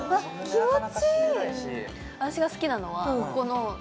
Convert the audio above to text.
気持ちいい！